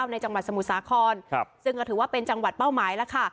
ในจังหวัดสมุทรสาครซึ่งก็ถือว่าเป็นจังหวัดเป้าหมายแล้วค่ะ